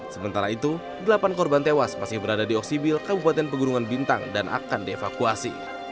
sementara itu delapan korban tewas masih berada di oksibil kabupaten pegunungan bintang dan akan dievakuasi